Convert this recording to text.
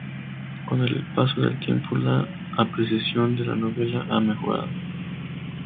Con el paso del tiempo, la apreciación de la novela ha mejorada.